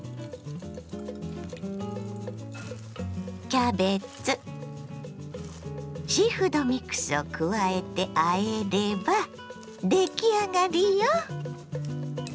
キャベツシーフードミックスを加えてあえれば出来上がりよ。